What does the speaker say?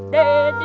dan dan dan